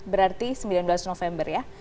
berarti sembilan belas november ya